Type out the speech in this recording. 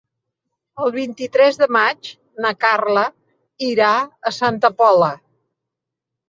El vint-i-tres de maig na Carla irà a Santa Pola.